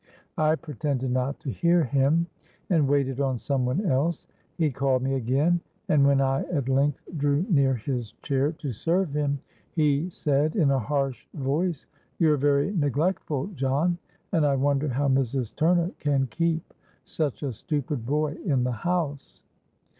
I pretended not to hear him, and waited on some one else. He called me again; and when I at length drew near his chair to serve him, he said in a harsh voice, 'You're very neglectful, John; and I wonder how Mrs. Turner can keep such a stupid boy in the house.'